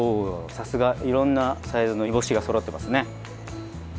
さすがいろんなサイズの煮干しがそろってますね。